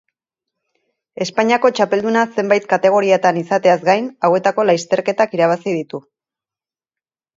Espainiako txapelduna zenbait kategoriatan izateaz gain, hauetako lasterketak irabazi ditu.